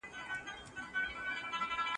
کوچني ټولنيز واحدونه بايد وپېژندل سي.